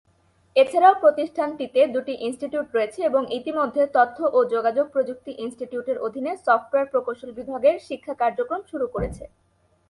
এছাড়াও প্রতিষ্ঠানটিতে দুটি ইন্সটিটিউট রয়েছে এবং ইতিমধ্যে তথ্য ও যোগাযোগ প্রযুক্তি ইন্সটিটিউটের অধিনে সফটওয়্যার প্রকৌশল বিভাগের শিক্ষা কার্যক্রম শুরু করেছে।